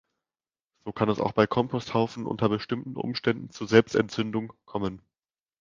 So kann es auch bei Komposthaufen unter bestimmten Umständen zu Selbstentzündung kommen.